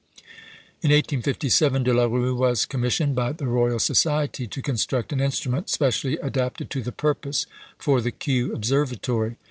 In 1857 De la Rue was commissioned by the Royal Society to construct an instrument specially adapted to the purpose for the Kew Observatory.